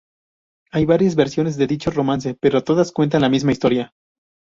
Hay varias versiones de dicho romance, pero todas cuentan la misma historia.